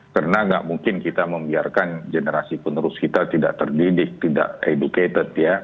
karena tidak mungkin kita membiarkan generasi penerus kita tidak terdidik tidak educated ya